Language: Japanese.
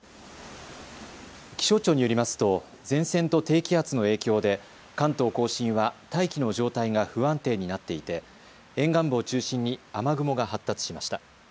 気象庁によりますと前線と低気圧の影響で関東甲信は大気の状態が不安定になっていて沿岸部を中心に雨雲が発達しました。